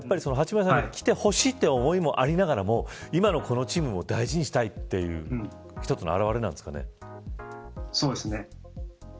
あれは、八村さんが来てほしいという思いもありながらも今のこのチームを大事にしたいというそうですね。